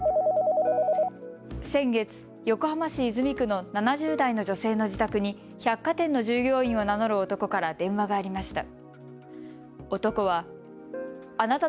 先月、横浜市泉区の７０代の女性の自宅に百貨店の従業員を名乗る男から電話がありました。